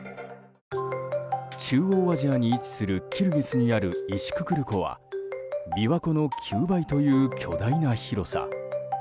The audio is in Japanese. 中央アジアに位置するキルギスにあるイシククル湖は琵琶湖の９倍という巨大な広さ。